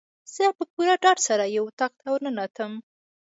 زه په پوره ډاډ سره یو اطاق ته ورننوتم.